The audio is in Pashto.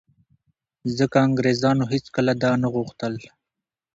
ځکه انګرېزانو هېڅکله دا نه غوښتل